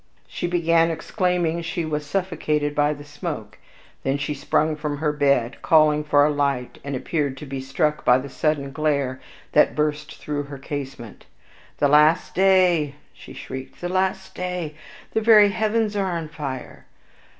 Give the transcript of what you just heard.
She began exclaiming she was suffocated by the smoke; then she sprung from her bed, calling for a light, and appeared to be struck by the sudden glare that burst through her casement. "The last day," she shrieked, "The last day! The very heavens are on fire!"